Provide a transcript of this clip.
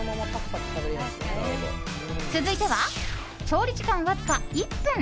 続いては、調理時間わずか１分。